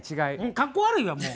かっこ悪いわもう。